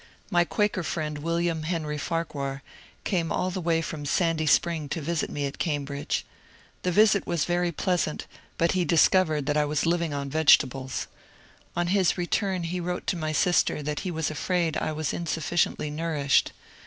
My Quaker friend William Henry Farquhar came all the way from Sandy Spring to visit me at Cambridge. The visit was very pleasant, but he discovered that I was living on MRS. WALKER PEYTON CONWAY ABREST OF ANTHONY BURNS 176 Tegetables. On his return he wrote to my sister that he was afraid I was insufficiently nourished.